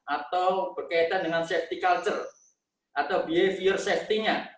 atau berkaitan dengan safety culture atau behavior safety nya